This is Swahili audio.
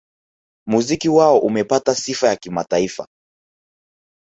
Muziki wao umepata sifa ya kimataifa